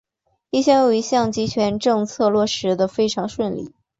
一项又一项的极权政策落实得非常顺利。